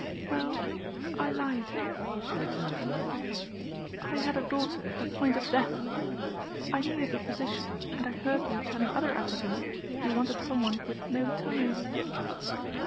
"Well, I lied," she returned, "I had a daughter at the point of death. I needed the position and I heard you telling other applicants you wanted some one with no ties."